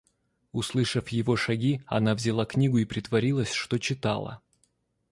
Услышав его шаги, она взяла книгу и притворилась, что читала.